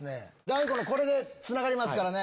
大悟のこれでつながりますから。